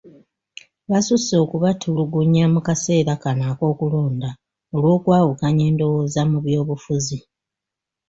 Basusse okubatulugunya mu kaseera kano ak'okulonda, olw'okwawukanya endowooza mu by'obufuzi.